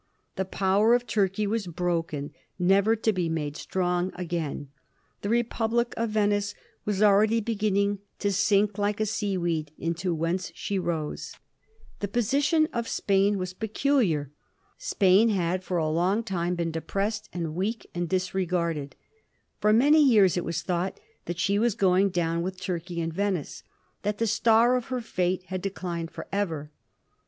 The power of Turkey was broken, never to be made strong again ; the republic of Venice was already beginning to * sink like a seaweed into whence she rose.' The position of Digiti zed by Google 1716. PHILIP OP ORLEANS. 203 Spain was peculiar. Spain had for a long time been depressed, and weak, and disregarded. For many years it was thought that she was going down with Turkey and Venice — that the star of her &te had declined for ever.